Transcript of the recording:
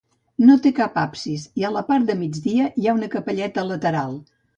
No té cap absis i a la part de migdia hi ha una capelleta lateral.